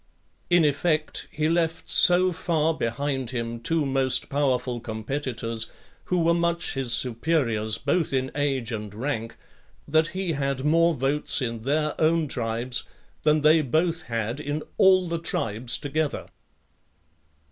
In effect, he left so far behind him two most powerful competitors, who were much his superiors both in age and rank, that he had more votes in their own tribes, than they both had in all the tribes together.